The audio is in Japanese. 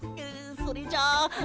それじゃあえ。